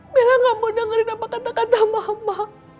bella gak mau dengerin apa kata kata mama